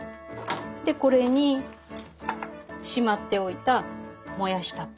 でこれにしまっておいたもやしたっぷり。